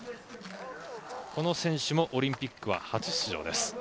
この選手もオリンピックは初出場です。